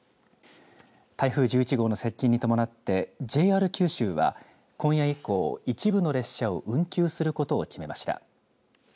台風１１号の接近に伴ってＪＲ九州は今夜以降、一部の列車を運休することを決めました。